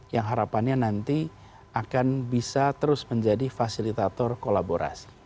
yang harapannya nanti akan bisa terus menjadi fasilitator kolaborasi